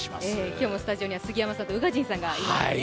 今日もスタジオには杉山さんと宇賀神さんがいますね。